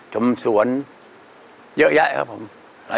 ชมสวนเยอะแยะครับผมหลายเพลง